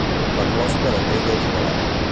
La closca de pell és ovalat.